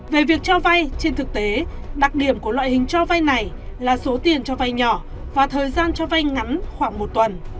về việc cho vay trên thực tế đặc điểm của loại hình cho vay này là số tiền cho vay nhỏ và thời gian cho vay ngắn khoảng một tuần